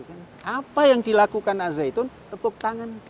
apa yang dilakukan azayitun tepuk tangan